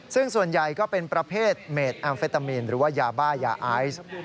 ซึ่งส่วนใหญ่ก็เป็นประเภทเมดแอมเฟตามีนหรือว่ายาบ้ายาไอซ์